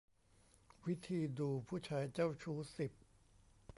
วิธีดูผู้ชายเจ้าชู้ สิบ